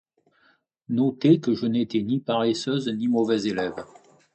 Notez que je n'étais ni paresseuse ni mauvaise élève.